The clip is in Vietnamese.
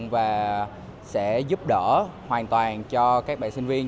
và sẽ giúp đỡ hoàn toàn cho các bạn sinh viên